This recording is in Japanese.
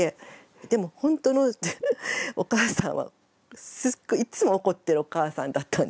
でも本当のお母さんはすっごいいつも怒ってるお母さんだったんです。